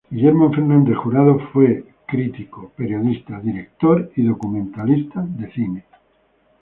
Guillermo Fernández Jurado fue un crítico de cine, periodista, director y documentalista de cine.